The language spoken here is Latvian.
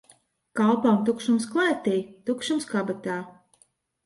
Kalpam tukšums klētī, tukšums kabatā.